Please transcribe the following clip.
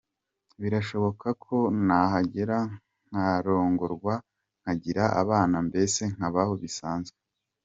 Birashoboka ko nahagera nkarongorwa, nkagira abana mbese nkabaho bisanzwe.